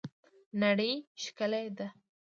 نړۍ ښکلې ده